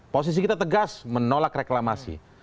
posisi kita tegas menolak reklamasi